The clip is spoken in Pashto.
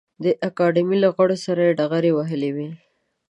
د اکاډمۍ له غړو سره یې ډغرې وهلې وې.